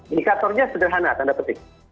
indikatornya sederhana tanda petik